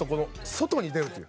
外に出るという。